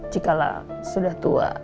jikalah sudah tua